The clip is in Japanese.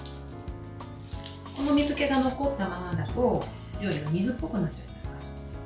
この水けが残ったままだと料理が水っぽくなっちゃいますから。